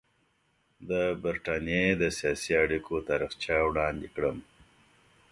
د برټانیې د سیاسي اړیکو تاریخچه وړاندې کړم.